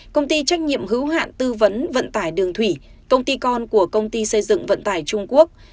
công ty trách nhiệm hữu hạn tư vấn vận tải đường thủy công ty con của công ty xây dựng vận tải trung quốc